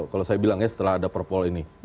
kalau saya bilangnya setelah ada perpol ini